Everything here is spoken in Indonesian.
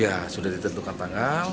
ya sudah ditentukan tanggal